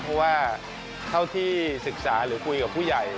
เพราะว่าเท่าที่ศึกษาหรือคุยกับผู้ใหญ่